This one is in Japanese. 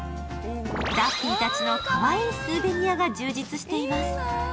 ダッフィーたちのかわいいスーベニアが充実しています。